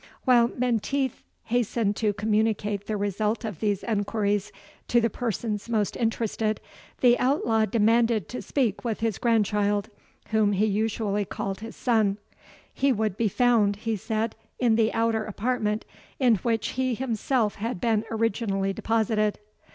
While Menteith hastened to communicate the result of these enquiries to the persons most interested, the outlaw demanded to speak with his grandchild, whom he usually called his son. "He would be found," he said, "in the outer apartment, in which he himself had been originally deposited."